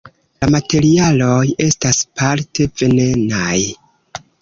La materialoj estas parte venenaj.